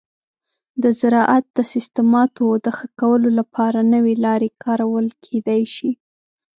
د زراعت د سیستماتو د ښه کولو لپاره نوي لارې کارول کیدی شي.